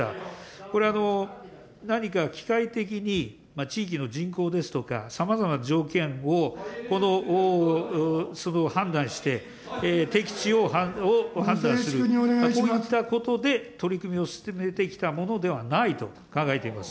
これは何か機械的に、地域の人口ですとか、さまざまな条件を判断して、適地を判断する、こういったことで取り組みを進めてきたものではないと考えています。